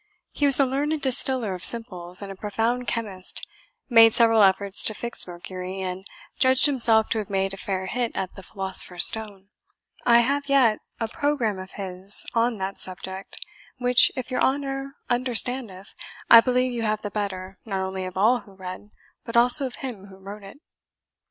He was a learned distiller of simples, and a profound chemist made several efforts to fix mercury, and judged himself to have made a fair hit at the philosopher's stone. I have yet a programme of his on that subject, which, if your honour understandeth, I believe you have the better, not only of all who read, but also of him who wrote it."